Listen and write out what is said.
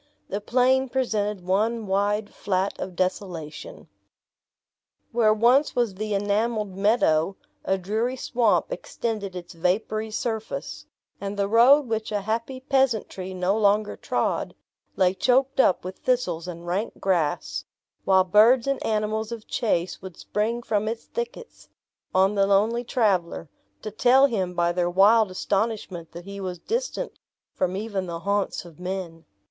The plain presented one wide flat of desolation. Where once was the enameled meadow, a dreary swamp extended its vapory surface; and the road which a happy peasantry no longer trod, lay choked up with thistles and rank grass; while birds and animals of chase would spring from its thickets, on the lonely traveler, to tell him by their wild astonishment that he was distant from even the haunts of men.